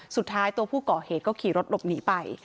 ตัวผู้ก่อเหตุก็ขี่รถหลบหนีไป